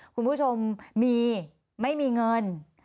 คุณผู้ชมมีไม่มีเงิน